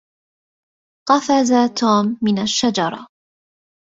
قفز توم من الشجرة.